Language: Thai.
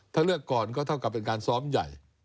ถ้าเลือกก่อนก็เท่ากับเป็นการซ้อมใหญ่